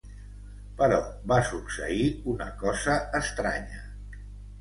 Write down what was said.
Però va succeir una cosa estranya.